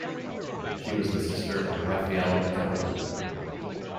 She was the sister of Raphael Kaulla.